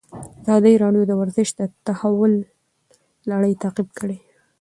ازادي راډیو د ورزش د تحول لړۍ تعقیب کړې.